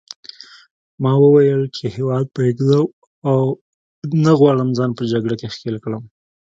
ما وویل چې هیواد پرېږدم او نه غواړم ځان په جګړه کې ښکېل کړم.